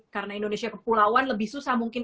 karena indonesia kepulauan lebih susah mungkin